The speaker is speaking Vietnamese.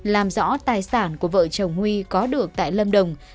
làm rõ tài sản của vợ chồng huy có được tại lâm đồng